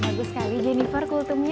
bagus sekali jennifer kulturnya